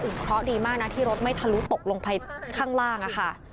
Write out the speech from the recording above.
เพราะดีมากนะที่รถไม่ทะลุตกลงไปข้างล่างอะค่ะ